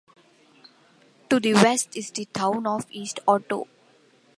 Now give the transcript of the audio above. To the west is the town of East Otto.